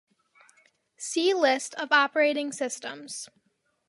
See list of operating systems.